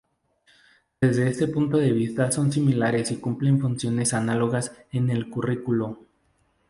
Desde este punto de vista son similares y cumplen funciones análogas en el currículo.